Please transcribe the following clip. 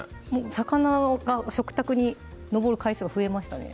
魚が食卓に上る回数が増えましたね